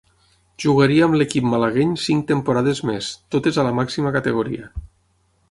Jugaria amb l'equip malagueny cinc temporades més, totes a la màxima categoria.